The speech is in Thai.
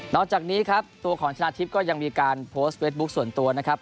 จากนี้ครับตัวของชนะทิพย์ก็ยังมีการโพสต์เฟสบุ๊คส่วนตัวนะครับ